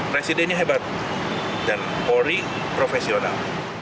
presidennya hebat dan polri profesional